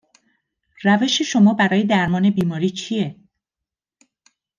روش شما برای درمان بیماری چیه؟